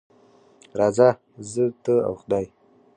راځه زه، ته او خدای.